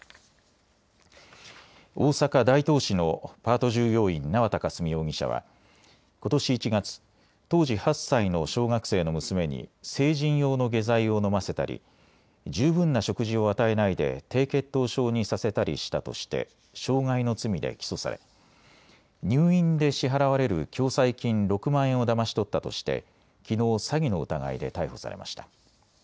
大阪大東市のパート従業員、縄田佳純容疑者はことし１月、当時８歳の小学生の娘に成人用の下剤を飲ませたり十分な食事を与えないで低血糖症にさせたりしたとして傷害の罪で起訴され入院で支払われる共済金６万円をだまし取ったとしてきのう詐欺の疑いで逮捕されました。